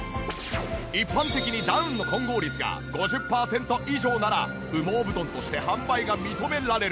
一般的にダウンの混合率が５０パーセント以上なら羽毛布団として販売が認められる。